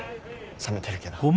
冷めてるけど。